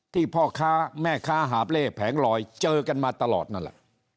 พ่อค้าแม่ค้าหาบเล่แผงลอยเจอกันมาตลอดนั่นแหละ